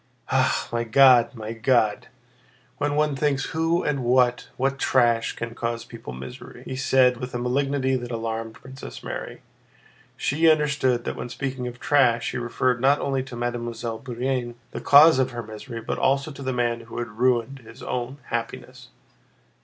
"Ah, my God! my God! When one thinks who and what—what trash—can cause people misery!" he said with a malignity that alarmed Princess Mary. She understood that when speaking of "trash" he referred not only to Mademoiselle Bourienne, the cause of her misery, but also to the man who had ruined his own happiness.